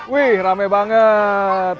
wih rame banget